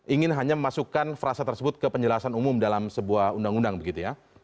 ingin hanya memasukkan frasa tersebut ke penjelasan umum dalam sebuah undang undang begitu ya